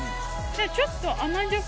ちょっと甘じょっ